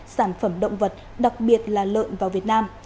sản phẩm động vật đặc biệt là lợn vào việt nam